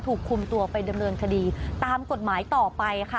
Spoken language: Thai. ถูกคุมตัวไปดำเนินคดีตามกฎหมายต่อไปค่ะ